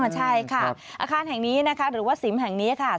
ใช่ค่ะอาคารแห่งนี้นะคะหรือว่าสิมแห่งนี้ค่ะ